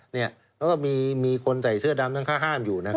แล้วก็มีคนใส่เสื้อดำทั้งค่าห้ามอยู่นะครับ